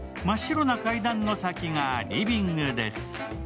真っ白な階段の先がリビングです。